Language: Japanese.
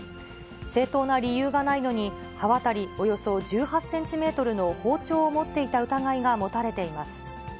正当な理由がないのに、刃渡りおよそ１８センチメートルの包丁を持っていた疑いが持たれています。